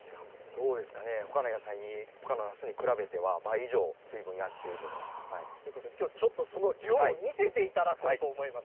どうですかね、ほかのなすに比べては倍以上、水分になっていということで、きょうはちょっとその量を見せていただこうと思います。